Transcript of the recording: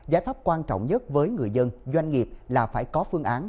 giải pháp quan trọng nhất với người dân doanh nghiệp là phải có phương án